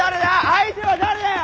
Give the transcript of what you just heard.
相手は誰だよ？